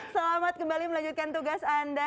selamat kembali melanjutkan tugas anda